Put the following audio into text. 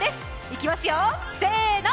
いきますよ、せーの！